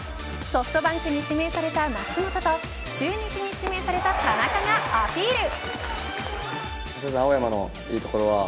ソフトバンクに指名された松本と中日に指名された田中がアピール。